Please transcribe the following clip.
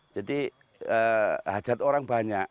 jadi hajat orang banyak